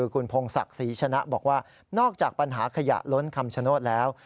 คุณพงศักดิ์ศรีชนะบอกว่านอกจากปัญหาขยะล้นคำชโนธแล้ว